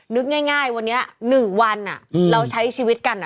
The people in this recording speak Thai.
นึกง่ายวันนี้๑วันเราใช้ชีวิตกัน